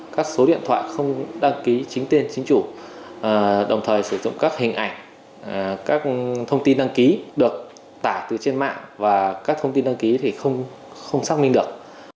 các số điện thoại không đăng ký chính tên chính chủ đồng thời sử dụng các hình ảnh các thông tin đăng ký được tải từ trên mạng và các thông tin đăng ký thì không xác minh được